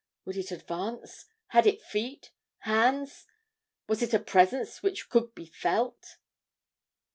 Would it advance? Had it feet hands? Was it a presence which could be felt?